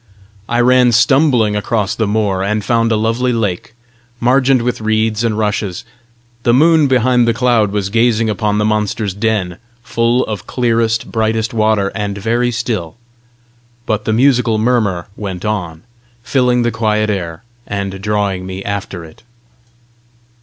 I ran stumbling across the moor, and found a lovely lake, margined with reeds and rushes: the moon behind the cloud was gazing upon the monsters' den, full of clearest, brightest water, and very still. But the musical murmur went on, filling the quiet air, and drawing me after it.